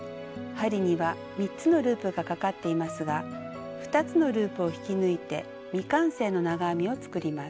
針には３つのループがかかっていますが２つのループを引き抜いて未完成の長編みを作ります。